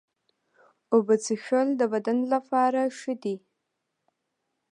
اوبه څښل د بدن لپاره ښه دي.